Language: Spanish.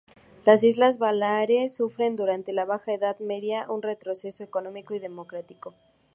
Las Islas Baleares sufren durante la Baja Edad Media un retroceso económico y demográfico.